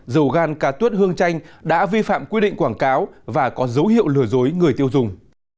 dầu gan cà tuốt hương tranh đã vi phạm quy định quảng cáo và có dấu hiệu lừa dối người tiêu dùng